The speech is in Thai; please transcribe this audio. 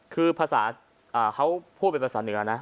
คือภาษาเขาพูดเป็นภาษาเหนือนะ